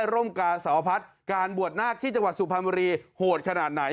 ร่มกาสาวพัฒน์การบวชนาคที่จังหวัดสุพรรณบุรีโหดขนาดไหน